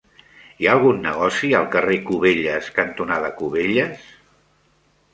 Hi ha algun negoci al carrer Cubelles cantonada Cubelles?